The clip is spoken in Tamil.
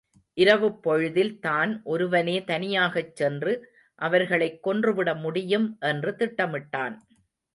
இரவுப் பொழுதில் தான் ஒருவனே தனியாகச் சென்று அவர்களைக் கொன்றுவிட முடியும் என்று திட்டமிட்டான்.